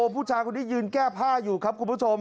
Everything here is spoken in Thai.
ผู้ชายคนนี้ยืนแก้ผ้าอยู่ครับคุณผู้ชม